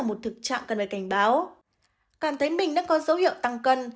một thực trạng cần phải cảnh báo cảm thấy mình đang có dấu hiệu tăng cân